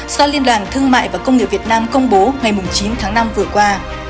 do liên đoàn thương mại và công nghiệp việt nam công bố ngày chín tháng năm vừa qua